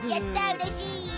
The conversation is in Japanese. うれしい！